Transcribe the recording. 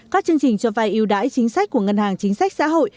các chương trình cho vai yêu đãi chính sách của ngân hàng chính sách xã hội